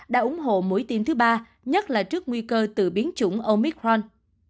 đã ủng hộ mũi tiêm thứ ba nhất là trước nguy cơ tự biến chủng omicron